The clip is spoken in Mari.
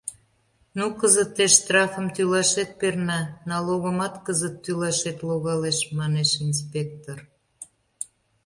— Ну, кызытеш штрафым тӱлашет перна, налогымат кызыт тӱлашет логалеш, — манеш инспектор.